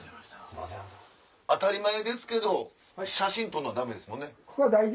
当たり前ですけど写真撮るのはダメですもんね？